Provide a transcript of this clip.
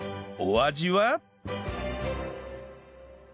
お味は？